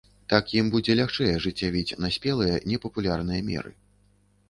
Так ім будзе лягчэй ажыццявіць наспелыя непапулярныя меры.